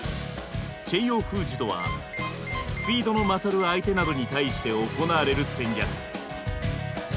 「チェイヨー封じ」とはスピードの勝る相手などに対して行われる戦略。